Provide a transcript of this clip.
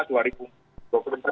jangan lupa dua ribu dua puluh